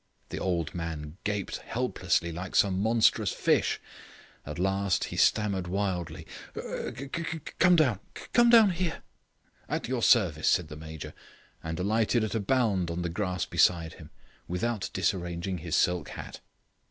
The old man gaped helplessly like some monstrous fish. At last he stammered wildly, "Come down come down here!" "At your service," said the Major, and alighted at a bound on the grass beside him, without disarranging his silk hat.